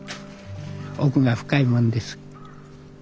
奥が深いもんです。